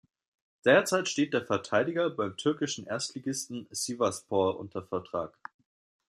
Derzeit steht der Verteidiger beim türkischen Erstligisten Sivasspor unter Vertrag.